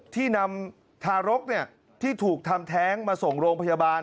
ที่นำทารกที่ถูกทำแท้งมาส่งโรงพยาบาล